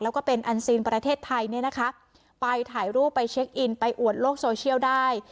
แล้วก็เป็นอันซีนประเทศไทยเนี่ยนะคะไปถ่ายรูปไปเช็คอินไปอวดโลกโซเชียลได้